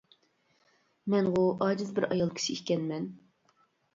مەنغۇ ئاجىز بىر ئايال كىشى ئىكەنمەن.